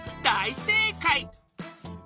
大正解！